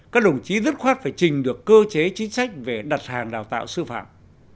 các đồng chí dứt khoát phải trình được cơ chế chính sách về đặt hàng đào tạo sư phạm